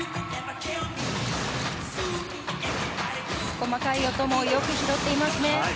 細かい音もよく拾っていますね。